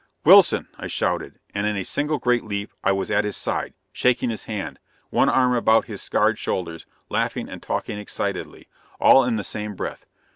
"Wilson!" I shouted; and in a single great leap I was at his side, shaking his hand, one arm about his scarred shoulders, laughing and talking excitedly, all in the same breath.